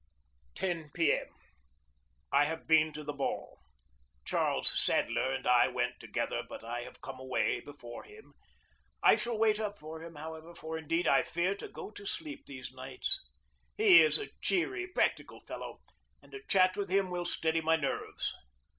10 P. M. I have been to the ball. Charles Sadler and I went together, but I have come away before him. I shall wait up for him, however, for, indeed, I fear to go to sleep these nights. He is a cheery, practical fellow, and a chat with him will steady my nerves.